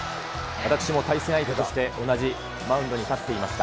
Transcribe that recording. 私も対戦相手として同じマウンドに立っていました。